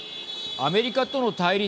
アメリカとの対立